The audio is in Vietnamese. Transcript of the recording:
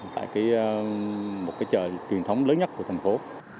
tại một cái trời truyền thống lớn nhất của thành phố